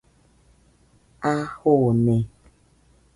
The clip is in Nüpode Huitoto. A jone